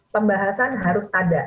pembahasan harus ada